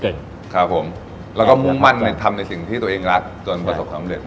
ครับผมแล้วก็มุ่งมั่นทำในสิ่งที่ตัวเองรักจนประสบความเร็จ